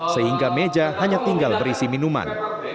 sehingga meja hanya tinggal berisi minuman